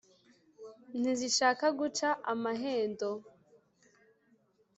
Ntizishaka guca amahendo.